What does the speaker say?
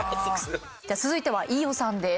じゃあ続いては飯尾さんです。